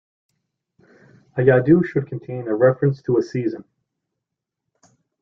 A yadu should contain a reference to a season.